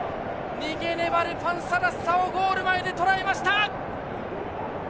逃げ粘るパンサラッサをゴール前でとらえました！